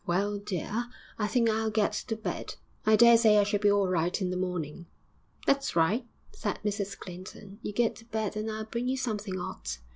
'Well, dear, I think I'll get to bed; I daresay I shall be all right in the morning.' 'That's right,' said Mrs Clinton; 'you get to bed and I'll bring you something 'ot.